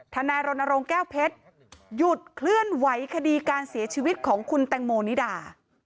นายรณรงค์แก้วเพชรหยุดเคลื่อนไหวคดีการเสียชีวิตของคุณแตงโมนิดา